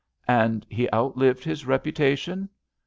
And he outlived his reputation?